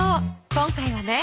今回はね